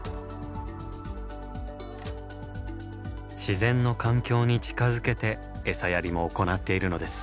自然の環境に近づけて餌やりも行っているのです。